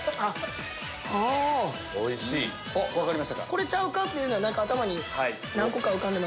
これちゃうか？っていうの頭に何個か浮かんでます。